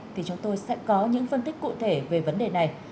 thì chúng tôi sẽ có những phân tích cụ thể về vấn đề này